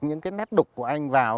những cái nét đục của anh vào